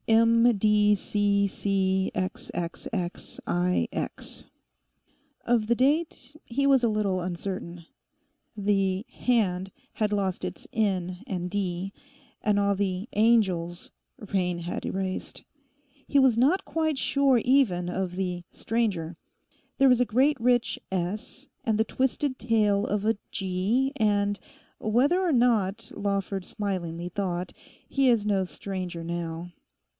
MDCCXXXIX Of the date he was a little uncertain. The 'Hand' had lost its 'n' and 'd'; and all the 'Angels' rain had erased. He was not quite sure even of the 'Stranger.' There was a great rich 'S,' and the twisted tail of a 'g'; and, whether or not, Lawford smilingly thought, he is no Stranger now.